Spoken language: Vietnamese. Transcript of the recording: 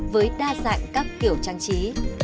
với đa dạng các kiểu trang trí